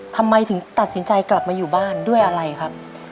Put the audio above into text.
ทำไมถึงตัดสินใจกลับมาอยู่บ้านด้วยอะไรครับ